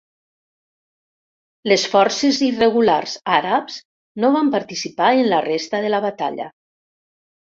Les forces irregulars àrabs no van participar en la resta de la batalla.